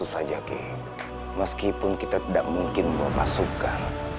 walaupun kita tidak mungkin membawa pasukan